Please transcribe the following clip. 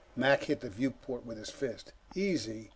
Mac hit the viewport with his fist. "Easy!